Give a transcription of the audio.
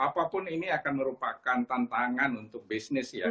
apapun ini akan merupakan tantangan untuk bisnis ya